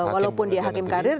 walaupun dihakim karir